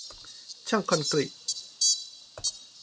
ช่างคอนกรีต